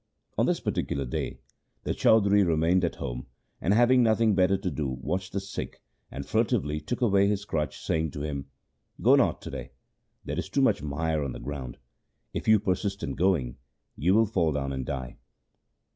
On this particular day the chaudhri remained at home, and, having nothing better to do, watched the Sikh, and furtively took away his crutch, saying to him, ' Go not to day ; there is too much mire on the ground. If you persist in going, you will fall down and die.'